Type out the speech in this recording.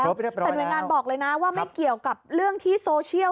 แต่หน่วยงานบอกเลยนะว่าไม่เกี่ยวกับเรื่องที่โซเชียล